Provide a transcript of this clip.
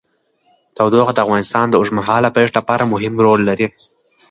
تودوخه د افغانستان د اوږدمهاله پایښت لپاره مهم رول لري.